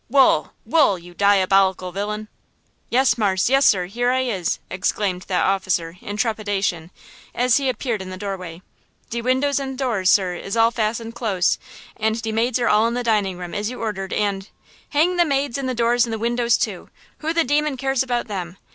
Wool! Wool! you diabolical villain!" "Yes, marse, yes, sir, here I is!" exclaimed that officer, in trepidation, as he appeared in the doorway. "De windows and doors, sir, is all fastened close and de maids are all in the dining room as you ordered, and–" "Hang the maids and the doors and windows, too! Who the demon cares about them?